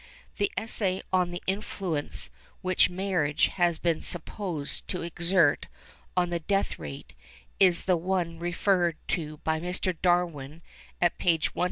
The Essay on the influence which marriage has been supposed to exert on the death rate is the one referred to by Mr. Darwin at page 176 (vol.